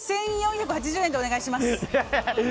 １４８０円でお願いします。